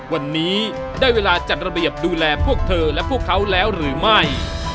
วันนี้ได้เวลาจัดระเบียบดูแลพวกเธอและพวกเขาแล้วหรือไม่